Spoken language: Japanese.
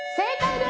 正解です！